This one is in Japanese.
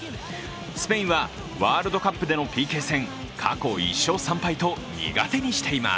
スペインはワールドカップでのＰＫ戦、過去１勝３敗と苦手にしています。